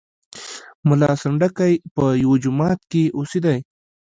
ملا سنډکی په یوه جومات کې اوسېدی.